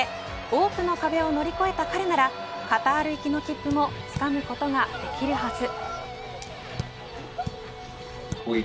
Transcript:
多くの壁を乗り越えた彼ならカタール行きの切符もつかむことができるはず。